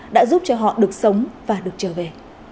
đã giúp cho họ được sống và được trở về